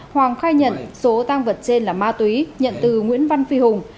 hoàng khai nhận số tang vật trên là ma túy nhận từ nguyễn văn phi hùng